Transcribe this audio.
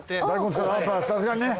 さすがにね。